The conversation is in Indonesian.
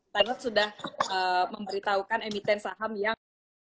pak bernard sudah memberitahukan emiten saham yang